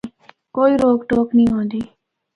کوئی روک ٹوک نیں ہوندی۔